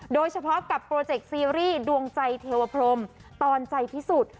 โดยเฉพาะกับโปรเจกต์ซีรีส์ดวงใจเทวพรมตอนใจพิสุทธิ์